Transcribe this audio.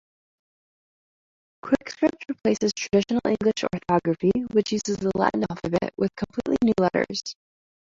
Quikscript replaces traditional English orthography, which uses the Latin alphabet, with completely new letters.